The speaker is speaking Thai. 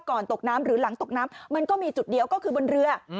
ตกน้ำหรือหลังตกน้ำมันก็มีจุดเดียวก็คือบนเรือ